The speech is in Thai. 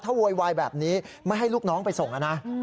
โวยวายแบบนี้ไม่ให้ลูกน้องไปส่งนะ